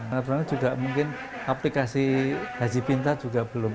karena mungkin aplikasi haji pintar juga belum